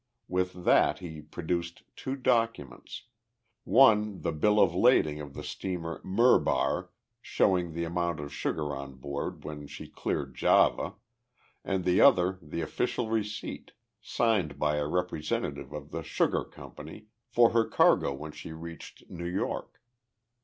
With that he produced two documents one the bill of lading of the steamer Murbar, showing the amount of sugar on board when she cleared Java, and the other the official receipt, signed by a representative of the sugar company, for her cargo when she reached New York.